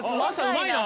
・うまいな。